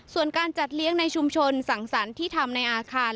ส่วนการจัดเลี้ยงในชุมชนสังสรรค์ที่ทำในอาคาร